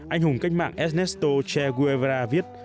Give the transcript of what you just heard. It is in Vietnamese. anh hùng cách mạng ernesto che guevara viết